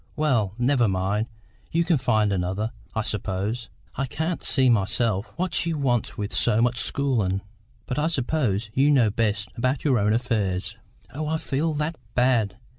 Well, never mind, you can find another, I suppose. I can't see myself what she wants with so much schoolin', but I suppose you know best about your own affairs." "Oh, I feel that bad!